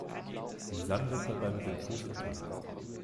Lisann wippt dabei mit dem Fuß im Takt.